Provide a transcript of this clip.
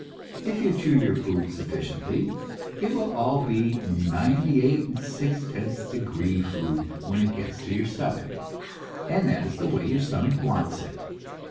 If you chew your food sufficiently, it will all be ninety eight and six tenths degree food when it gets to your stomach, and that is the way your stomach wants it.